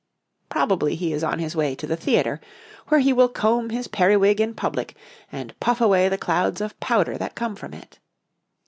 Probably he is on his way to the theatre, where he will comb his periwig in public, and puff away the clouds of powder that come from it.